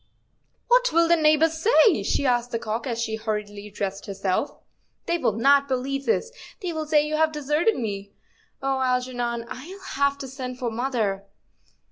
"What will the neighbors say?" she asked the cock, as she hurriedly dressed herself; " they will not believe this; they will say you have deserted me. Oh, Algernon, I'll have to send for mother."